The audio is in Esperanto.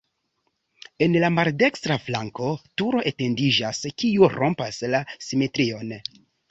En la maldekstra flanko turo etendiĝas, kiu rompas la simetrion.